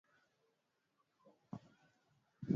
Pia kama moyo wa Maandiko matakatifu yote